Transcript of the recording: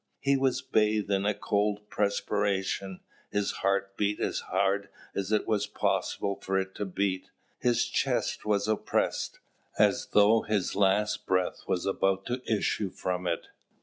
He was bathed in a cold perspiration; his heart beat as hard as it was possible for it to beat; his chest was oppressed, as though his last breath was about to issue from it.